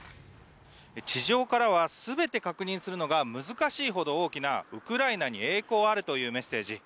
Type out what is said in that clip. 地上からは全て確認するのが難しいほど大きなウクライナに栄光あれというメッセージ。